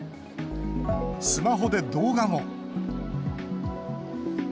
スマホで動画も。